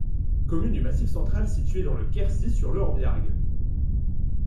Commune du Massif central située dans le Quercy sur le Embiargues.